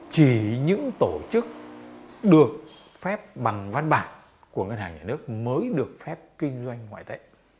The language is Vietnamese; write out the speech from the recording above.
chỉ những tổ chức được phép bằng văn bản của ngân hàng nhà nước mới được phép kinh doanh ngoại tệ